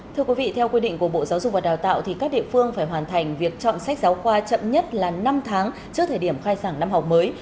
thưa quý vị theo quy định của bộ giáo dục và đào tạo thì các địa phương phải hoàn thành việc chọn sách giáo khoa chậm nhất là năm tháng trước thời điểm khai sản năm học mới